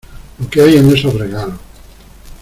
Lo que hay en esos regalos.